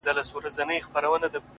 موږه تل د نورو پر پلو پل ږدو حرکت کوو!